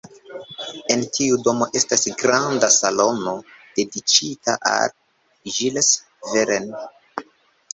En tiu domo estas granda salono dediĉita al Jules Verne.